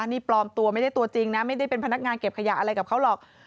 นี่ปลอมตัวไม่ได้ตัวจริงนะไม่ได้เป็นพนักงานเก็บขยะอะไรกับเขาหรอก